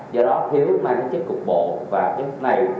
do đó thiếu mang chất cục bộ và chất này